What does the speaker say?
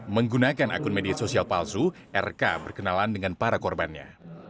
menggunakan akun media sosial palsu rk berkenalan dengan para korbannya